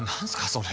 それ。